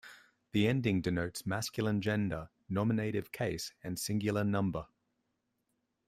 The ending denotes masculine gender, nominative case, and singular number.